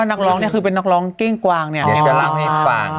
นักร้องเนี่ยคือเป็นนักร้องเก้งกวางเนี่ยเดี๋ยวจะเล่าให้ฟัง